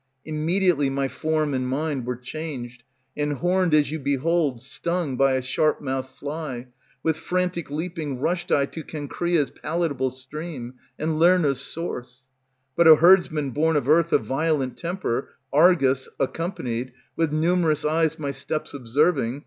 Immediately my form and mind were Changed, and horned, as you behold, stung By a sharp mouthed fly, with frantic leaping Rushed I to Cenchrea's palatable stream, And Lerna's source; but a herdsman born of earth Of violent temper, Argus, accompanied, with numerous Eyes my steps observing.